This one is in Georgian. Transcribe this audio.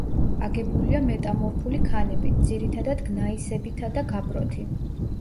აგებულია მეტამორფული ქანებით, ძირითადად გნაისებითა და გაბროთი.